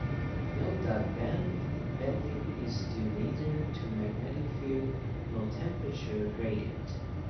Note that band bending is due neither to magnetic field nor temperature gradient.